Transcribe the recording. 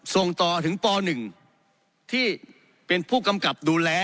ส่งต่อถึงป๑ที่เป็นผู้กำกับดูแล